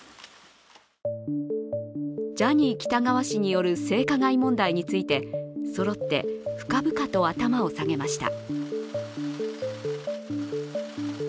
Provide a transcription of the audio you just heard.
ジャニー喜多川氏による性加害問題についてそろって深々と頭を下げました。